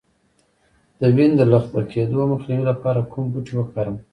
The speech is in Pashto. د وینې د لخته کیدو مخنیوي لپاره کوم بوټی وکاروم؟